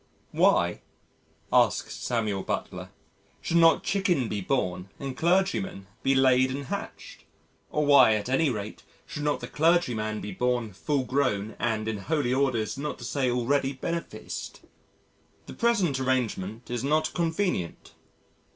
"Why," asks Samuel Butler, "should not chicken be born and clergymen be laid and hatched? Or why, at any rate, should not the clergyman be born full grown and in Holy Orders not to say already beneficed? The present arrangement is not convenient